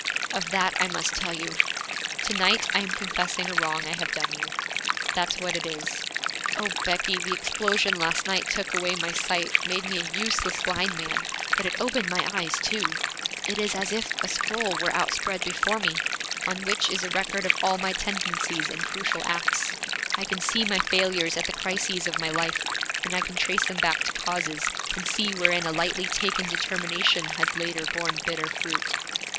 Of that I must tell you. To night I am confessing a wrong I have done you. That's what it is. O, Becky, the explosion last night took away my sight, made me a useless blind man, but it opened my eyes too! It is as if a scroll were outspread before me, on which is a record of all my tendencies and crucial acts. I can see my failures at the crises of my life, and I can trace them back to causes, can see wherein a lightly taken determination has later borne bitter fruit.